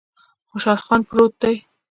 خوشحال خان پروت دی